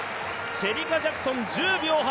シェリカ・ジャクソン、１０秒８４。